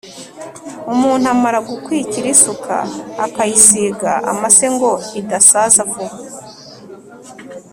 Umuntu amara gukwikira isuka akayisiga amase ngo idasaza vuba,